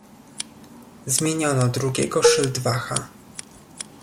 "Zmieniono drugiego szyldwacha."